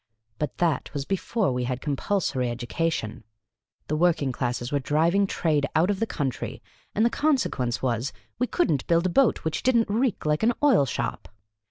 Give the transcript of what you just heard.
But that was before we had compulsory education. The working classes were driving trade out of the country, and the consequence was, we could n't build a boat which did n't reek like an oil shop.